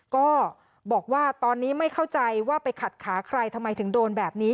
ก็บอกว่าตอนนี้ไม่เข้าใจว่าไปขัดขาใครทำไมถึงโดนแบบนี้